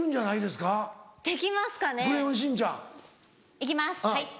行きます。